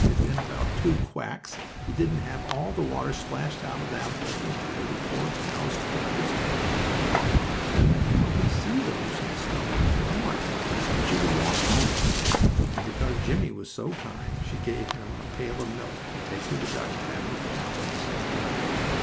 if in about two quacks he didn't have all the water splashed out of that hole where the poor cow's foot was fast. Then the cow could see to loosen the stone with her horn, and she could walk home. And because Jimmie was so kind she gave him a pail of milk to take to the duck pen for Alice and Lulu.